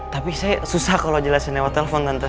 tapi saya susah kalau jelasin lewat telfon tante